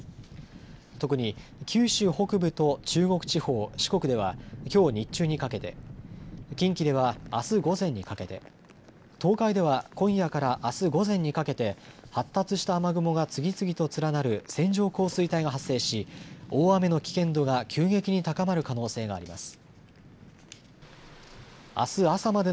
特に九州北部と中国地方、四国ではきょう日中にかけて、近畿ではあす午前にかけて、東海では今夜からあす午前にかけて発達した雨雲が次々と連なる線状降水帯が発生し大雨の危険度が急激に高まる可能性があります。